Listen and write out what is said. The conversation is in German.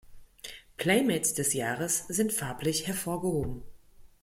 Playmates des Jahres sind farblich hervorgehoben.